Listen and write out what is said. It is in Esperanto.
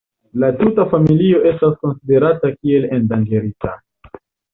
La tuta familio estas konsiderata kiel endanĝerita.